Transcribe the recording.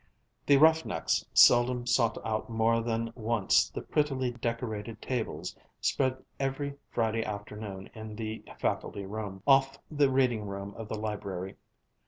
The "rough necks" seldom sought out more than once the prettily decorated tables spread every Friday afternoon in the Faculty Room, off the reading room of the Library.